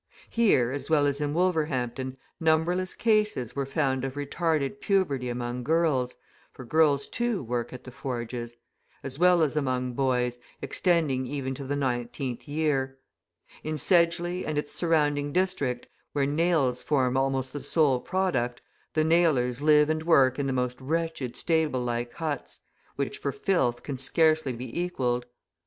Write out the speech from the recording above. Here, as well as in Wolverhampton, numberless cases were found of retarded puberty among girls, (for girls, too, work at the forges,) as well as among boys, extending even to the nineteenth year. In Sedgeley and its surrounding district, where nails form almost the sole product, the nailers live and work in the most wretched stable like huts, which for filth can scarcely be equalled.